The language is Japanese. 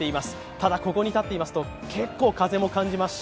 ただここに立っていますと、結構風も感じますし。